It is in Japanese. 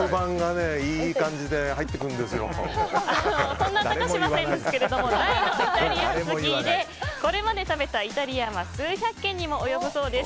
そんな高嶋さんですが大のイタリアン好きでこれまで食べたイタリアンは数百軒にも及ぶそうです。